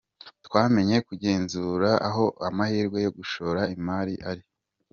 Twamenye kugenzura aho amahirwe yo gushora imari ari.